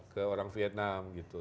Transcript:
ke orang vietnam gitu